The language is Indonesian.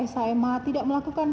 shmh tidak melakukan